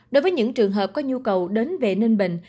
đối với những trường hợp có nhu cầu đến về ninh bình